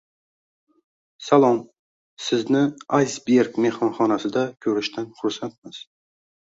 Salom! Sizni Iceberg mehmonxonasida ko'rishdan xursandmiz!